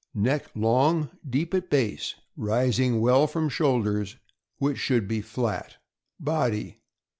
— Neck long, deep at base, rising well from shoulders, which should be flat. Body.